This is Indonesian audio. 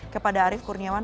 kepada arief kurniawan